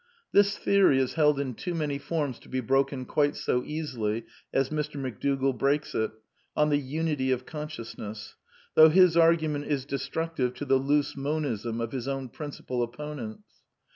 This theory is held in too many forms to be broken quite so easily as Mr. McDougall breaks it, on the " unity of con sciousness," though his argument is destructive to the loose Monism of his own principal opponents.